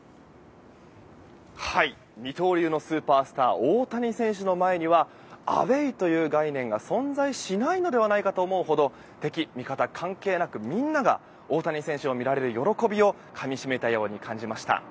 二刀流のスーパースター大谷選手の前にはアウェーという概念が存在しないのではないのかと思うほど敵味方関係なく、みんなが大谷選手を見られる喜びをかみ締めたように感じました。